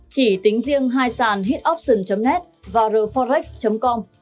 chỉ tính riêng hai sàn hepopsion net và rforex com